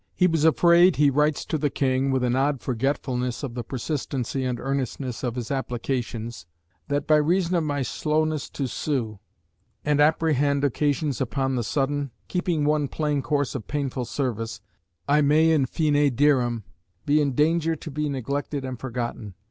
He was afraid, he writes to the King, with an odd forgetfulness of the persistency and earnestness of his applications, "that by reason of my slowness to sue, and apprehend occasions upon the sudden, keeping one plain course of painful service, I may in fine dierum be in danger to be neglected and forgotten."